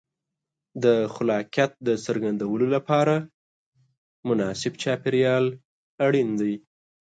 د خلاقیت د څرګندولو لپاره مناسب چاپېریال اړین دی.